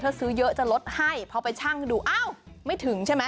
ถ้าซื้อเยอะจะลดให้พอไปชั่งดูอ้าวไม่ถึงใช่ไหม